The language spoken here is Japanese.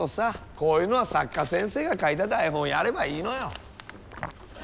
こういうのは作家先生が書いた台本をやればいいのよ。